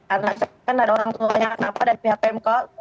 anak saya kan ada orang tuanya kenapa dari pihak pmk